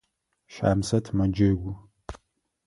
Щамсэт мэджэгу.